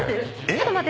ちょっと待って！